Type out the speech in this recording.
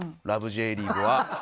Ｊリーグ』は。